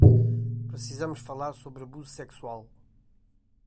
Precisamos falar sobre abuso sexual